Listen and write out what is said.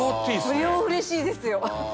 無料嬉しいですよ。